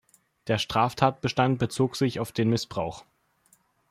Der Straftatbestand bezog sich auf den Missbrauch.